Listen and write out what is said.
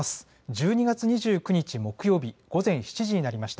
１２月２９日木曜日、午前７時になりました。